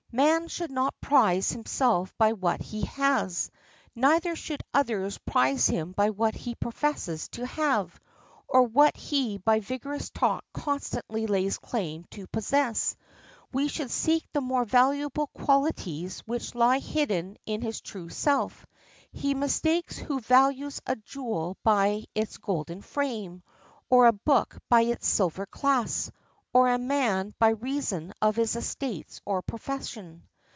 Man should not prize himself by what he has; neither should others prize him by what he professes to have, or what he by vigorous talk constantly lays claim to possess. We should seek the more valuable qualities which lie hidden in his true self. He mistakes who values a jewel by its golden frame, or a book by its silver clasps, or a man by reason of his estates or profession.